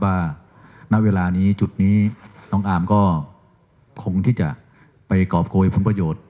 ว่าณเวลานี้จุดนี้น้องอาร์มก็คงที่จะไปกรอบโกยผลประโยชน์